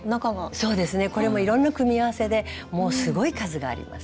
そうですねこれもいろんな組み合わせでもうすごい数があります。